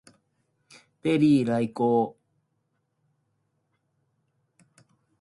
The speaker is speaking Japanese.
ペリー来航